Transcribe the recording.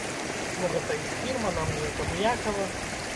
Ну, гэта іх фірма, нам неяк абыякава.